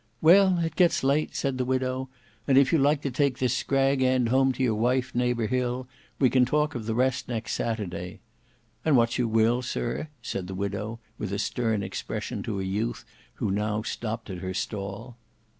"Well, it gets late," said the widow, "and if you like to take this scrag end home to your wife neighbour Hill, we can talk of the rest next Saturday. And what's your will, sir?" said the widow with a stern expression to a youth who now stopped at her stall.